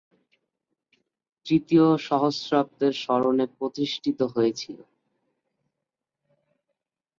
তৃতীয় সহস্রাব্দের স্মরণে প্রতিষ্ঠিত হয়েছিল।